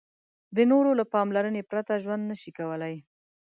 د نورو له پاملرنې پرته ژوند نشي کولای.